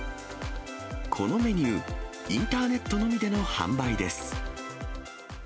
このメニュー、インターネットのみでの販売です。